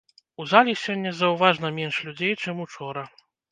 У залі сёння заўважна менш людзей, чым учора.